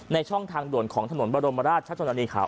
ในช่องทางด่วนของถนนบรมราชชะทะลินี่ค่า